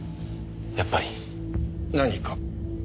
やっぱり。何か？